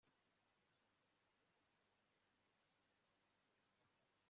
Ashaka gukomeza kuba ntamakemwa nkimbuto